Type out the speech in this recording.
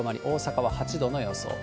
大阪は８度の予想。